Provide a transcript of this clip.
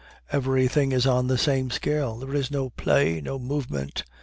Everything is on the same scale; there is no play, no movement.